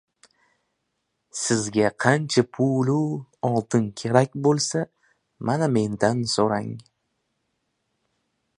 -Sizga qancha pulu oltin kerak bo‘lsa, mana mendan so‘rang!